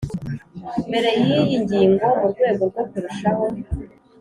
mbere cy iyi ngingo Mu rwego rwo kurushaho